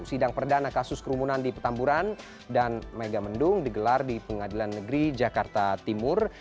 sidang perdana kasus kerumunan di petamburan dan megamendung digelar di pengadilan negeri jakarta timur